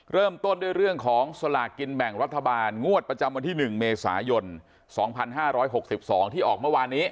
เริ่มต้นด้วยเรื่องของสลากกินแบ่งรัฐบาลงวดประจำวันที่๑เมษายน๒๕๖๒ที่ออกเมื่อวานนี้